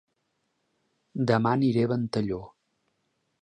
Dema aniré a Ventalló